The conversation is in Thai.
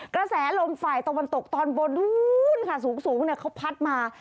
กระแสโลมไฝบันตกตอนบนสูงเขาพัดมา